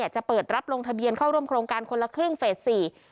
จะเปิดรับลงทะเบียนเข้าร่วมโครงการคนละครึ่งเฟส๔